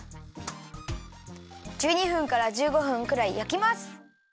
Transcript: １２分から１５分くらいやきます。